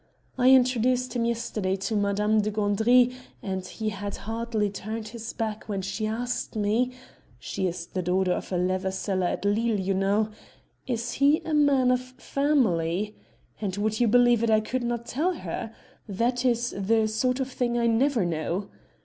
"I introduced him yesterday to Madame de Gandry and he had hardly turned his back when she asked me she is the daughter of a leather seller at Lille, you know 'is he a man of family?' and would you believe it, I could not tell her. That is the sort of thing I never know."